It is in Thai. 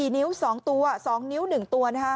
นิ้ว๒ตัว๒นิ้ว๑ตัวนะคะ